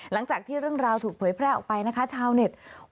หลังจากที่เรื่องราวถูกเผยแพร่ออกไปนะคะชาวเน็ต